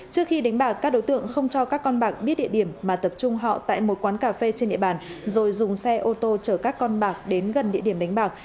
trước khi đánh bạc các đối tượng không cho các con bạc biết địa điểm mà tập trung họ tại một quán cà phê trên địa bàn rồi dùng xe ô tô chở các con bạc đến gần địa điểm đánh bạc